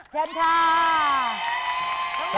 เช็ดนี่โค้ย